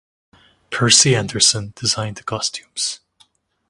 Percy Anderson designed the costumes.